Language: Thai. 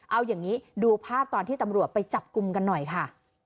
เอาอย่างนี้ดูภาพตอนที่ตำรวจไปจับกลุ่มกันหน่อยค่ะ